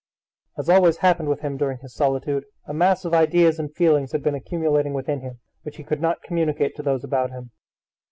As always happened with him during his solitude, a mass of ideas and feelings had been accumulating within him, which he could not communicate to those about him.